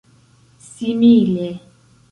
simile